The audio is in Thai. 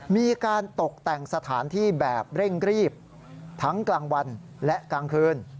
มีการตกแต่งสถานที่แบบเร่งรีบทั้งกลางวันและกลางคืน